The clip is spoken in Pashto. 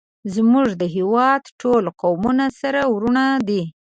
زمونږ د هیواد ټول قومونه سره ورونه دی